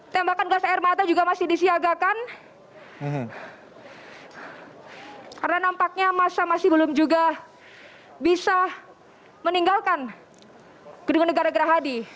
tembakan gelas air mata juga masih disiagakan karena nampaknya masa masih belum juga bisa meninggalkan gedungan negara negara hadi